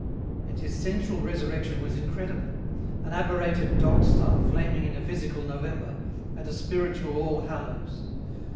And his sensual resurrection was incredible an aberrated Dog Star flaming in a physical November, at a spiritual All Hallows.